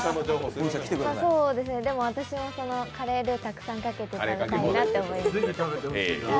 私もカレールーたくさんかけて食べたいなと思います。